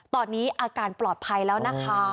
ตอนนี้อาการปลอดภัยแล้วนะคะ